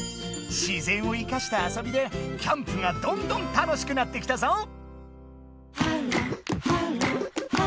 自然をいかした遊びでキャンプがどんどん楽しくなってきたぞ！